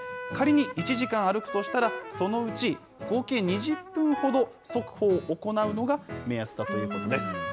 仮に１時間歩くとしたら、そのうち合計２０分ほど、速歩を行うのが目安だということです。